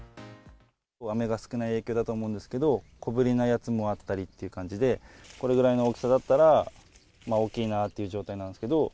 雨が少ない影響だと思うんですけど、小ぶりなやつもあったりっていう感じで、これぐらいの大きさだったら、まあ大きいなという状態なんですけど。